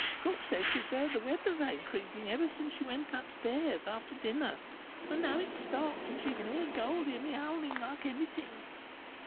"Cook says she heard the weather vane creaking ever since she went upstairs after dinner, and now it's stopped; and she can hear Goldie a myowling like anything."